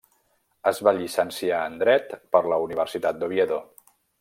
Es va llicenciar en Dret per la Universitat d'Oviedo.